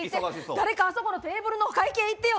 誰かあそこのテーブルのお会計行ってよ！